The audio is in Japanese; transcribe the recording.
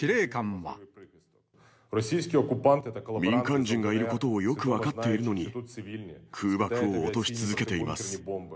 民間人がいることをよく分かっているのに、空爆を落とし続けています。